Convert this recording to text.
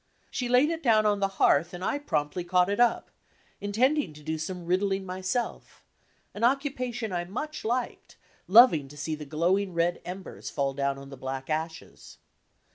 She laid it down on the hearth and I promptly caught it up, intending to do some "riddling" myself, an occupation I much liked, lovitig to see the glowing red embers fall down on the black ashes.